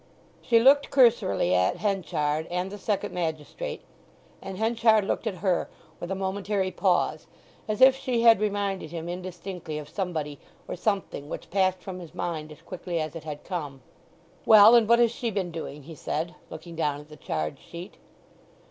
She looked cursorily at Henchard and the second magistrate, and Henchard looked at her, with a momentary pause, as if she had reminded him indistinctly of somebody or something which passed from his mind as quickly as it had come. "Well, and what has she been doing?" he said, looking down at the charge sheet.